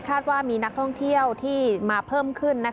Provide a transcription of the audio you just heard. ว่ามีนักท่องเที่ยวที่มาเพิ่มขึ้น